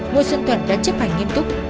mua sơn thuận đã chấp hành nghiêm túc